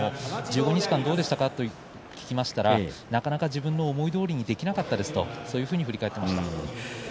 １５日間どうでしたかと聞きますと、なかなか自分の思いどおりにできなかったですと振り返っていました。